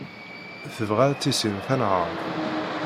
Tebɣa ad tissin tanhaṛt.